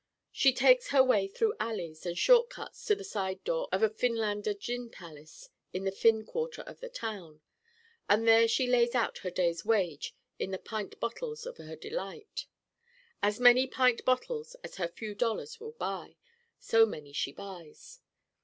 She takes her way through alleys and short cuts to the side door of a 'Finlander' gin palace in the Finn quarter of the town. And there she lays out her day's wage in the pint bottles of her delight. As many pint bottles as her few dollars will buy, so many she buys.